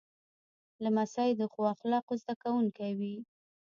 لمسی د ښو اخلاقو زده کوونکی وي.